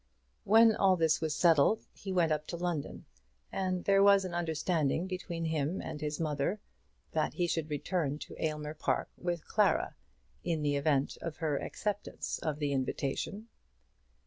When all this was settled he went up to London; and there was an understanding between him and his mother that he should return to Aylmer Park with Clara, in the event of her acceptance of the invitation.